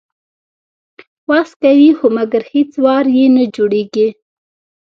وس کوي خو مګر هیڅ وار یې نه جوړیږي